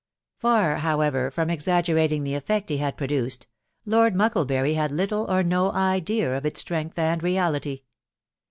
Far, however, from exaggerating the effect he had produced, Lord Mucklebury had little or no idea of its strength and reality.